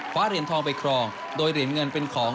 เหรียญทองไปครองโดยเหรียญเงินเป็นของ